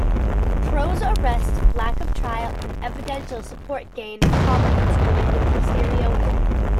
Pro's arrest, lack of trial, and evidential support gained prominence during the Cristero War.